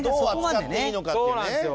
どう扱っていいのかっていうね。